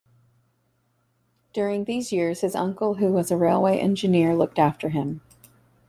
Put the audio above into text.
During these years his uncle, who was a railway engineer, looked after him.